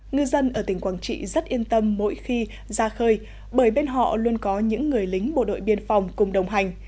ngư dân ở tỉnh quảng trị rất yên tâm mỗi khi ra khơi bởi bên họ luôn có những người lính bộ đội biên phòng cùng đồng hành